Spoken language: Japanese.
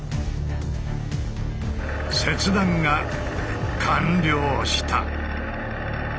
切断が完了した。